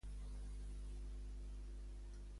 En boca de quina deessa són mencionats, a l'Odissea?